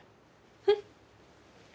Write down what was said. えっ？